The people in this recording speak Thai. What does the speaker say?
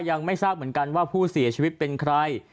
ยังไม่ทราบเหมือนกันว่าผู้เสียชีวิตเป็นใคร